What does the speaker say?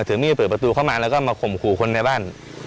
ถือมีดเปิดประตูเข้ามาแล้วก็มาข่มขู่คนในบ้าน